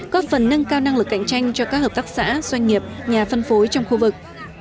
có phần nâng cao năng lực cạnh tranh cho các hợp tác xã doanh nghiệp nhà phân phối trong khu vực